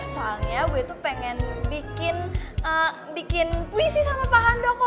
soalnya gue tuh pengen bikin puisi sama pak handoko